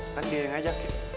kan dia yang ngajakin